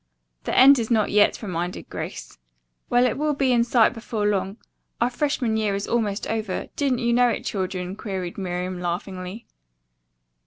"The end is not yet," reminded Grace. "Well it will be in sight before long. Our freshman year is almost over, didn't you know it, children!" queried Miriam laughingly.